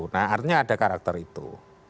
nah artinya ada karakter itu